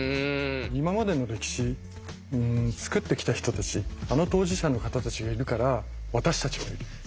今までの歴史作ってきた人たちあの当事者の方たちがいるから私たちがいる。